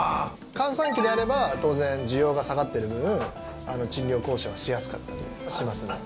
閑散期であれば当然、需要が下がってる分賃料交渉はしやすかったりしますね。